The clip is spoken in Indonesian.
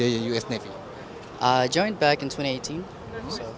saya berubah ke amerika serikat di tahun dua ribu delapan belas enam tahun lalu